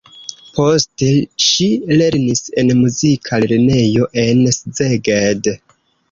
Poste ŝi lernis en muzika lernejo en Szeged.